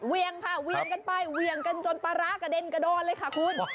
ค่ะเวียงกันไปเวียงกันจนปลาร้ากระเด็นกระโดนเลยค่ะคุณ